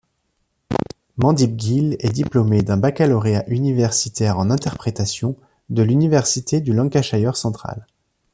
Mandip Gill est diplômée d'un baccalauréat universitaire en interprétation de l'Université du Lancashire central.